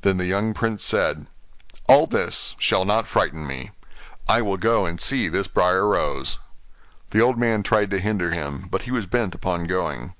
Then the young prince said, 'All this shall not frighten me; I will go and see this Briar Rose.' The old man tried to hinder him, but he was bent upon going.